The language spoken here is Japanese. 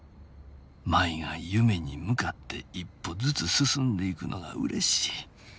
舞が夢に向かって一歩ずつ進んでいくのが嬉しい」。